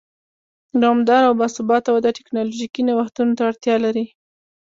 دوامداره او با ثباته وده ټکنالوژیکي نوښتونو ته اړتیا لري.